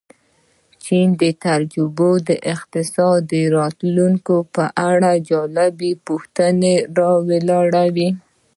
د چین تجربه د اقتصاد راتلونکې په اړه جالبې پوښتنې را ولاړوي.